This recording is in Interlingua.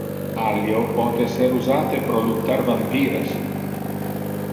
Allio pote ser usate pro luctar vampires.